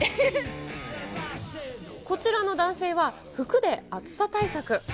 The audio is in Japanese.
こちらの男性は、服で暑さ対策。